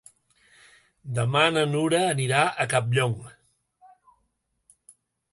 Demà na Nura anirà a Campllong.